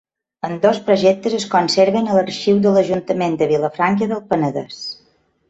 Ambdós projectes es conserven a l'arxiu de l'Ajuntament de Vilafranca del Penedès.